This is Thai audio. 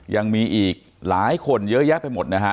ยังมีอีกหลายคนเยอะแยะไปหมดนะฮะ